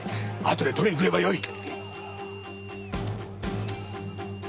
後で取りに来ればよい。